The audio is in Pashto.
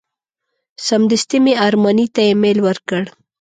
سمدستي مې ارماني ته ایمیل ورکړ.